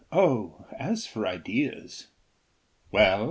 "Oh, as for ideas " "Well?"